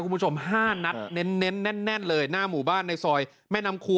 คุณผู้ชมห้านัดเน้นเน้นแน่นแน่นเลยหน้าหมู่บ้านในซอยแม่นำครู